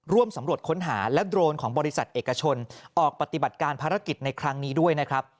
ร่วมสำรวจค้นหาและโดรนของบริษัทเอกชนออกปฏิบัติการภารกิจในครั้งนี้ด้วยนะครับ